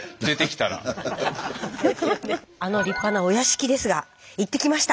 あの立派なお屋敷ですが行ってきました。